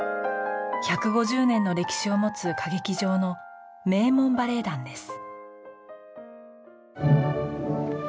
１５０年の歴史を持つ歌劇場の名門バレエ団です。